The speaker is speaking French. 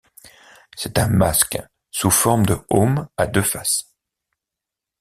C'est un masque sous forme de heaume à deux faces.